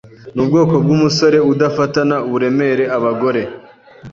Nubwoko bwumusore udafatana uburemere abagore.